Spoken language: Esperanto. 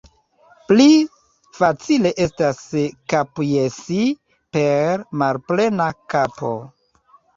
Pli facile estas kapjesi per malplena kapo.